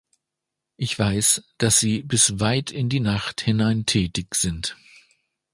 Ich weiß, dass sie bis weit in die Nacht hinein tätig sind.